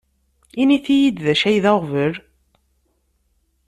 Init-yi-d d acu i d aɣbel.